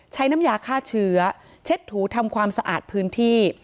น้ำยาฆ่าเชื้อเช็ดถูทำความสะอาดพื้นที่